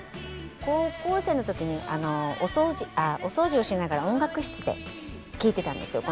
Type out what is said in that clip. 高校生の時にお掃除をしながら音楽室で聴いてたんですよ。